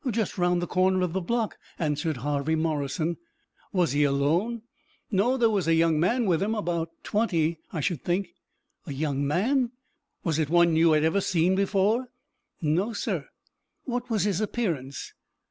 "Just 'round the corner of the block," answered Harvey Morrison. "Was he alone?" "No; there was a young man with him about twenty, I should think." "A young man! Was it one you had ever saw before?" "No, sir." "What was his appearance?"